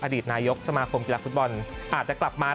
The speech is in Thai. อดีตนายกสมาคมกีฬาฟุตบอลอาจจะกลับมา